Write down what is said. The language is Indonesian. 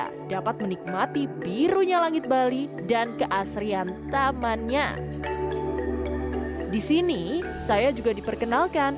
juga dapat menikmati birunya langit bali dan keasrian tamannya disini saya juga diperkenalkan